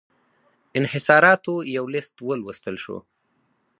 انحصاراتو یو لېست ولوستل شو.